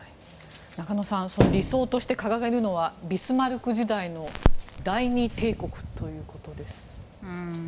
中野さん理想として掲げるのはビスマルク時代の第二帝国ということです。